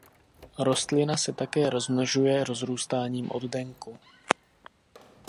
Rostlina se také rozmnožuje rozrůstáním oddenku.